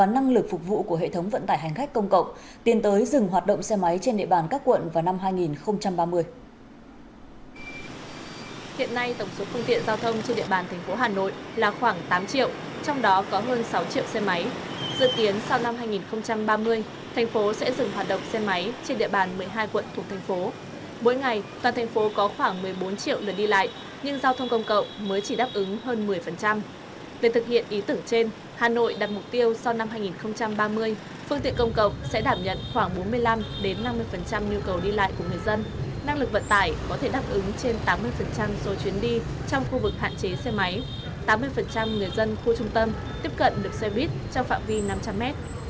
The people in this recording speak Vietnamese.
năng lực vận tải có thể đáp ứng trên tám mươi số chuyến đi trong khu vực hạn chế xe máy tám mươi người dân khu trung tâm tiếp cận được xe buýt trong phạm vi năm trăm linh m